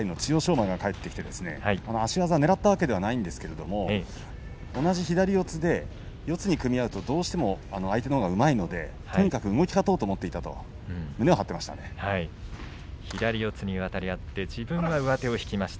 馬が帰ってきて足技をねらったわけではないんですけれども同じ左四つで四つに組み合うと、どうしても相手のほうがうまいのでとにかく動き勝とうと思っていたと左四つに渡り合って自分が上手を引きました。